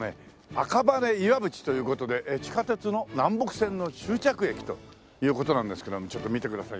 赤羽岩淵という事で地下鉄の南北線の終着駅という事なんですけどもちょっと見てください